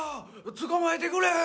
捕まえてくれ。